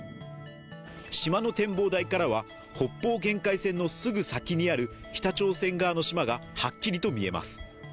島の展望台からは北方限界線のすぐ先にある北朝鮮側の島がはっきりと見えます。